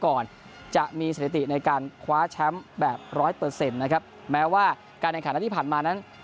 ก่อนจะมีสถิติในการคว้าแชมป์แบบร้อยเปอร์เซ็นต์นะครับแม้ว่าการแข่งขันนัดที่ผ่านมานั้น